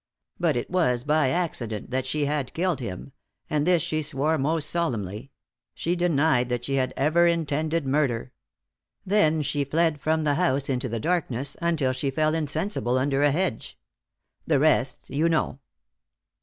But it was by accident that she had killed him and this she swore most solemnly; she denied that she had ever intended murder. Then she fled from the house into the darkness until she fell insensible under a hedge. The rest you know."